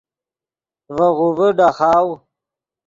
ڤے غوڤے ڈاخاؤ